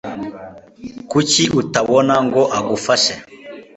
Kuki utabona ngo agufashe?